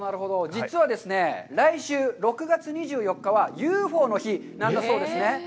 実はですね、来週６月２４日はＵＦＯの日なんだそうですね。